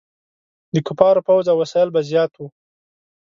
د کفارو فوځ او وسایل به زیات وو.